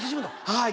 はい。